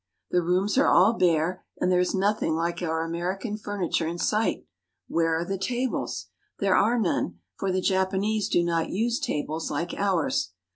The rooms are all bare and there is nothing like our American furniture in sight. Where are the tables ? There are none, for the Japanese do not use tables like ours.